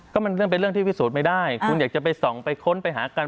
ก็มันเรื่องเป็นเรื่องที่พิสูจน์ไม่ได้คุณอยากจะไปส่องไปค้นไปหากัน